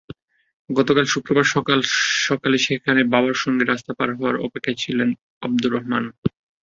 গতকাল শুক্রবার সকালে সেখানে বাবার সঙ্গে রাস্তা পার হওয়ার অপেক্ষায় ছিল আবদুর রহমান।